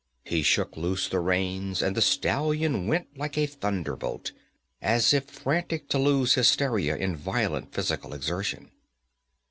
He shook loose the reins and the stallion went like a thunderbolt, as if frantic to lose hysteria in violent physical exertion.